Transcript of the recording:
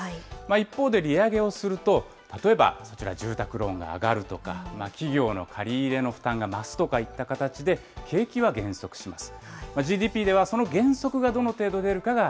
一方で利上げをすると、例えば住宅ローンが上がるとか、企業の借り入れの負担が増すといった形で、景気は減速します。